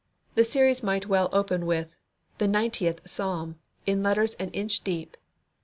The series might well open with "The Ninetieth Psalm" in letters an inch deep.